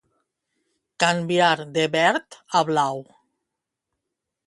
Canviar de verd a blau.